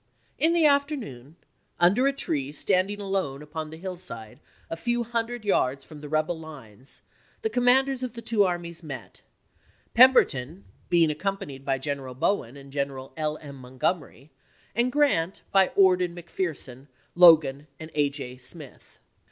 In the afternoon, under a tree standing alone juiy3,i863. upon the hillside a few hundred yards from the rebel lines, the commanders of the two armies met, Pemberton being accompanied by G eneral Bowen and Colonel L. M. Montgomery, and Grant by Ord and McPherson, Logan and A. J. Smith.